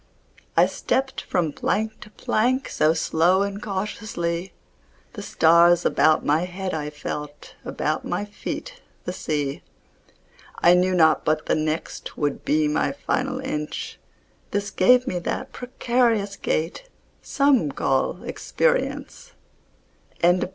I stepped from plank to plank So slow and cautiously; The stars about my head I felt, About my feet the sea. I knew not but the next Would be my final inch, This gave me that precarious gait Some call experience. LIV.